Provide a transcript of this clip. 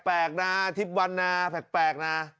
แปลกนะทิพย์วันนาแปลกนะ